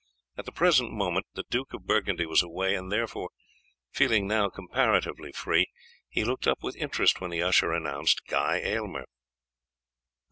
At the present moment the Duke of Burgundy was away, and therefore, feeling now comparatively free, he looked up with interest when the usher announced Guy Aylmer.